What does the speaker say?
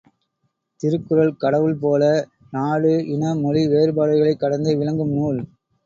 திருக்குறள் கடவுள் போல, நாடு இன மொழி வேறுபாடுகளைக் கடந்து விளங்கும் நூல்.